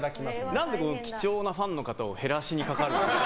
何で貴重なファンの方を減らしにかかるんですか？